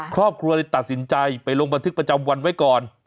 ครอบครัวเลยตัดสินใจไปลงบันทึกประจำวันไว้ก่อน